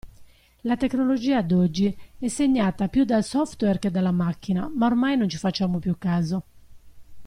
La tecnologia d'oggi è segnata più dal software che dalla macchina ma ormai non ci facciamo più caso.